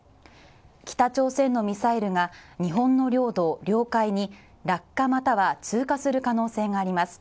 北朝鮮のミサイルが日本の領土、領海に落下または通過する可能性があります。